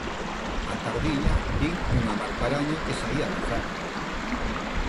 Á tardiña vin unha martaraña que saía cazar.